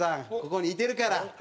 ここにいてるから。